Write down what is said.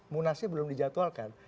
munasnya belum dijadwalkan